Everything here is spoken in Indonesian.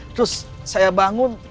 terus saya bangun